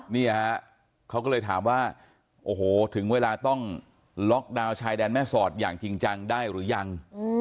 นี่ฮะเขาก็เลยถามว่าโอ้โหถึงเวลาต้องล็อกดาวน์ชายแดนแม่สอดอย่างจริงจังได้หรือยัง